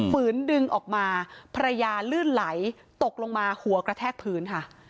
ฝืนดึงออกมาภรรยาลื่นไหลตกลงมาหัวกระแทกพื้นค่ะ